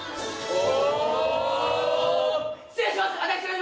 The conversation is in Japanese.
お！